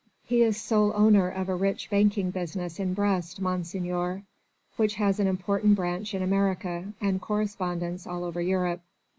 "He is sole owner of a rich banking business in Brest, Monseigneur, which has an important branch in America and correspondents all over Europe.